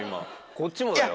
こっちもだよ。